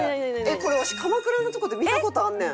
これわし鎌倉のとこで見た事あんねん。